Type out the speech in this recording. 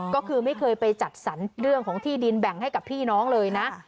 ก็คือไม่เคยไปจัดสรรเรื่องของที่ดินแบ่งให้กับพี่น้องเลยนะ